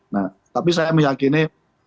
nah tapi saya meyakini